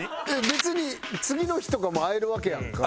別に次の日とかも会えるわけやんか。